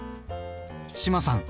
志麻さん